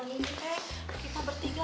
ini kita bertiga